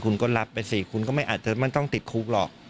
คุณก็รับไปสิคุณก็ไม่อาจจะไม่ต้องติดคุกหรอก